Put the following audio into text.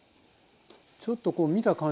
ちょっとこう見た感じ。